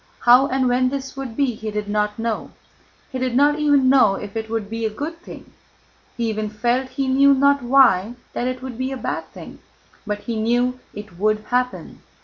How and when this would be he did not know, he did not even know if it would be a good thing (he even felt, he knew not why, that it would be a bad thing), but he knew it would happen.